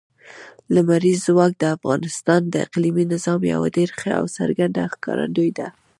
لمریز ځواک د افغانستان د اقلیمي نظام یوه ډېره ښه او څرګنده ښکارندوی ده.